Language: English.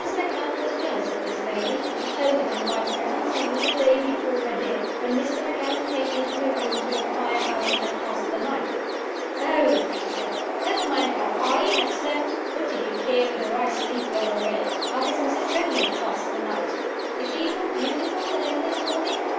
Macallan was jealous of this lady; and she showed it in my presence only the day before her death, when Mr. Macallan came into her room to inquire how she had passed the night. 'Oh,' she said, 'never mind how I have slept! What do you care whether I sleep well or ill? How has Mrs. Beauly passed the night? Is she more beautiful than ever this morning?